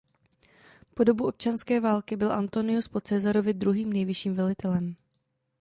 Po dobu občanské války byl Antonius po Caesarovi druhým nejvyšším velitelem.